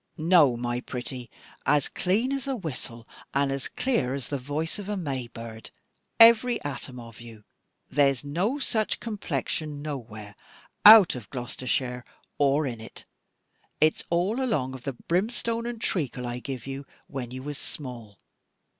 "No, my pretty, as clean as a whistle, and as clear as the voice of a May bird, every atom of you. There's no such complexion nowhere out of Gloshire or in it: and its all along of the brimstone and treacle I give you, when you was small.